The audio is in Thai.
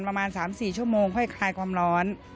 ประมาณ๓๔ชั่วโมงค่อยคลายความร้อน